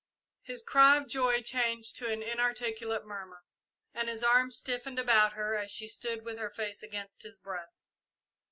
His cry of joy changed to an inarticulate murmur, and his arms stiffened about her as she stood with her face against his breast.